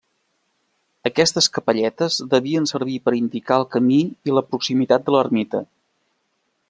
Aquestes capelletes devien servir per indicar el camí i la proximitat de l'ermita.